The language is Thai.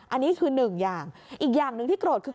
อันนี้คือหนึ่งอย่างอีกอย่างหนึ่งที่โกรธคือ